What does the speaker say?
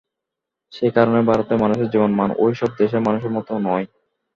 সে কারণে ভারতের মানুষের জীবনমান ওই সব দেশের মানুষের মতো নয়।